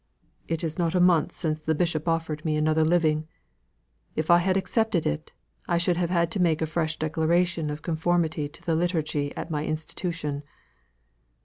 It is not a month since the bishop offered me another living; if I had accepted it, I should have had to make a fresh declaration of conformity to the Liturgy at my institution.